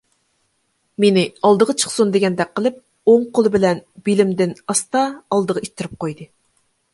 مېنى ئالدىدا چىقسۇن دېگەندەك قىلىپ ئوڭ قولى بىلەن بېلىمدىن ئاستا ئالدىغا ئىتتىرىپ قويدى.